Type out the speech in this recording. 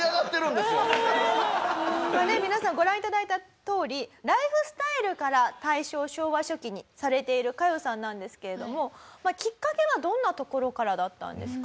まあね皆さんご覧頂いたとおりライフスタイルから大正昭和初期にされているカヨさんなんですけれどもきっかけはどんなところからだったんですか？